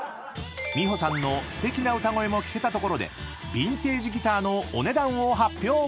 ［美穂さんのすてきな歌声も聞けたところでビンテージギターのお値段を発表］